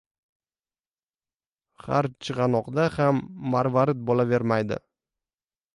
• Har chig‘anoqda ham marvarid bo‘lavermaydi.